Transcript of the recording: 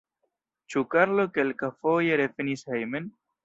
Ĉu Karlo kelkafoje revenis hejmen?